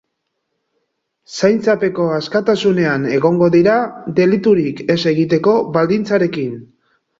Zaintzapeko askatasunean egongo dira deliturik ez egiteko baldintzarekin.